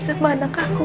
sama anak aku